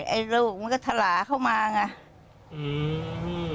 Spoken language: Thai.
ไอลูกมึงก็ทะหร่าเข้ามาไง